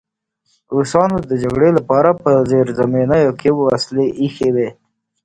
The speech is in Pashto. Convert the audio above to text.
روسانو د جګړې لپاره په زیرزمینیو کې وسلې ایښې وې